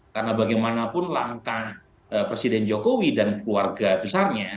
karena bagaimanapun langkah presiden jokowi dan keluarga besarnya